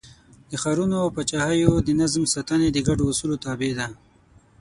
د ښارونو او پاچاهیو د نظم ساتنه د ګډو اصولو تابع ده.